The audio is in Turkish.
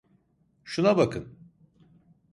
Şuna bakın!